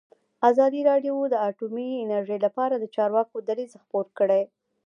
ازادي راډیو د اټومي انرژي لپاره د چارواکو دریځ خپور کړی.